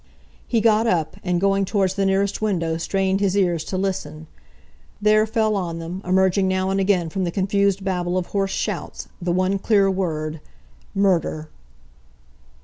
He got up, and going towards the nearest window strained his ears to listen. There fell on them, emerging now and again from the confused babel of hoarse shouts, the one clear word "Murder!"